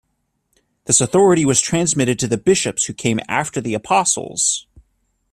This authority was transmitted to the bishops who came after the apostles.